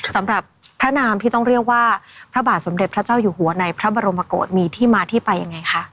สำหรับพระนามที่ต้องเรียกว่าพระบาทสมเด็จพระเจ้าอยู่หัวในพระบรมกฏมีที่มาที่ไปยังไงคะ